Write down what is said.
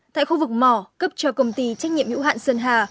tại khu vực mỏ cấp cho công ty trách nhiệm hữu hạn sơn hà